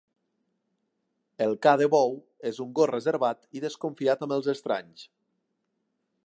El Ca de bou és un gos reservat i desconfiat amb els estranys.